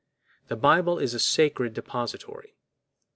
The Bible is a sacred depository.